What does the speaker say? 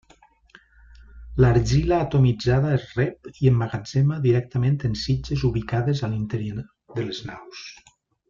L'argila atomitzada es rep i emmagatzema directament en sitges ubicades a l'interior de les naus.